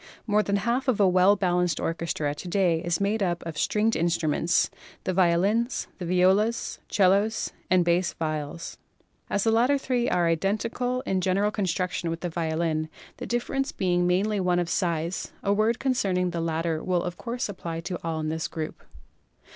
More than half of a well balanced orchestra to day is made up of stringed instruments — the Violins, Violas, 'Cellos and Bass Viols. As the latter three are identical SOUND 133 in general construction with the violin, the difference being mainly one of size, a word concerning the latter will of course apply to all in this group.